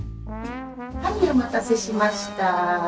はいお待たせしました。